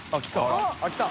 △叩あっ来た！）